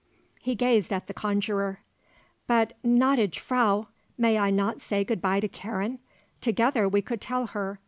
He gazed at the conjuror. "But, gnädige Frau, may I not say good bye to Karen? Together we could tell her.